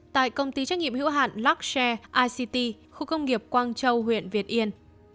tại công ty trách nhiệm hữu hạn lạc xe ict khu công nghiệp quang châu huyện việt yên